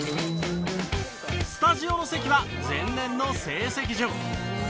スタジオの席は前年の成績順。